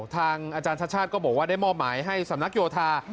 ทางอาจารย์ชาติชาติก็บอกว่าได้มอบหมายให้สำนักโยธา